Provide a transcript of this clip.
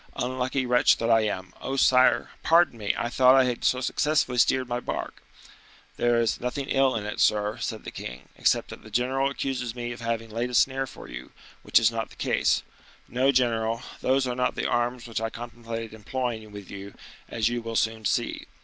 Unlucky wretch that I am! Oh! sire, pardon me! I thought I had so successfully steered my bark." "There is nothing ill in it, sir," said the king, "except that the general accuses me of having laid a snare for him, which is not the case. No, general, those are not the arms which I contemplated employing with you, as you will soon see.